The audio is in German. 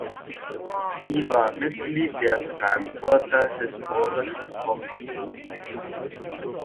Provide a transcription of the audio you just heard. Sie war Mitglied der Frankfurter Historischen Kommission.